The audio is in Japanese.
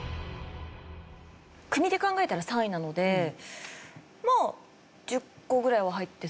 国で考えたら３位なのでまあ１０個ぐらいは入っていそうなイメージは。